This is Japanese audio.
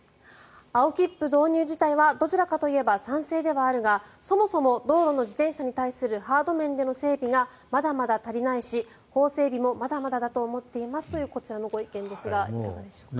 青切符導入自体はどちらかといえば賛成ではあるがそもそも道路の自転車に対するハード面での整備がまだまだ足りないし法整備もまだまだだと思っていますというこちらのご意見ですがいかがでしょうか。